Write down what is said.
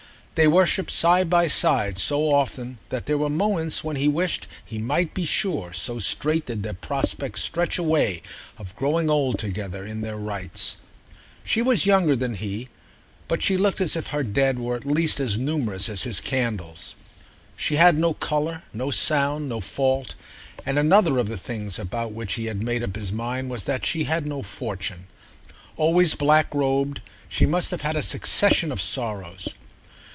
They worshipped side by side so often that there were moments when he wished he might be sure, so straight did their prospect stretch away of growing old together in their rites. She was younger than he, but she looked as if her Dead were at least as numerous as his candles. She had no colour, no sound, no fault, and another of the things about which he had made up his mind was that she had no fortune. Always black robed, she must have had a succession of sorrows.